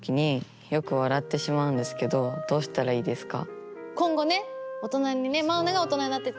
どうしたらいいですか？